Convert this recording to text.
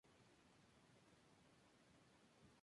Cursó sus estudios primarios en la escuela pública de su barrio.